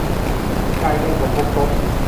จ่ายเงินสมทบครบ